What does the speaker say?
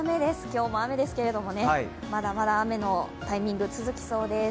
今日も雨ですけれども、まだまだ雨のタイミング、続きそうです。